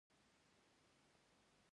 وګړي د افغانانو د ګټورتیا برخه ده.